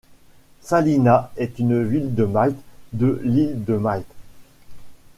Salina est une ville de Malte de l'île de Malte.